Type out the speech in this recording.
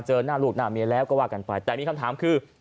เจอหน้าลูกหน้าเมียแล้วก็ว่ากันไปแต่มีคำถามคือ